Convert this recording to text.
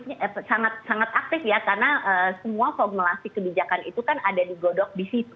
ini sangat sangat aktif ya karena semua formulasi kebijakan itu kan ada di godok di situ